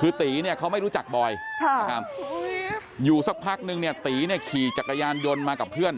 คือติเขาไม่รู้จักบอยอยู่สักพักนึงตี้ขี่จักรยานยนต์มากับเพื่อน